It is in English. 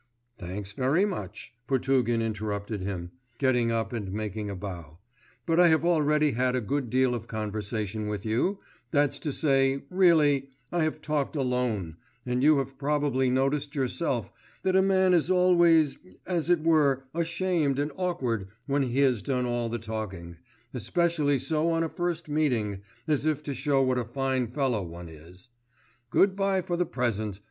'Thanks very much,' Potugin interrupted him, getting up and making a bow; 'but I have already had a good deal of conversation with you; that's to say, really, I have talked alone, and you have probably noticed yourself that a man is always as it were ashamed and awkward when he has done all the talking, especially so on a first meeting, as if to show what a fine fellow one is. Good bye for the present.